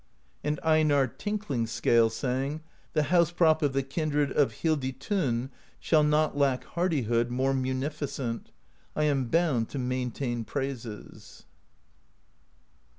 And Einarr Tinkling Scale sang: The House Prop of the Kindred Of Hilditonn shall not lack Hardihood more munificent; 1 am bound to maintain praises.